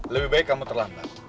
lebih baik kamu terlambat